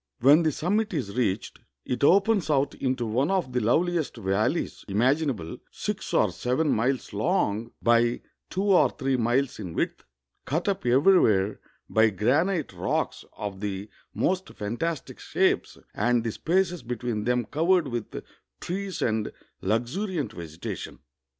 When the summit is reached, it opens out into one of the loveliest valleys imaginable, sLx or seven miles long, by two or three miles in width, cut up everywhere by granite rocks of the most fantastic shapes, and the spaces between them covered with trees and luxuriant vegetation.